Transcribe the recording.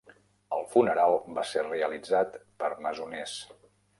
El funeral va ser realitzat per masoners.